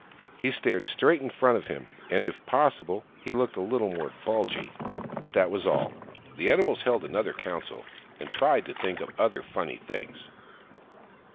He stared straight in front of him, and, if possible, he looked a little more bulgy. But that was all. The animals held another council, and tried to think of other funny things.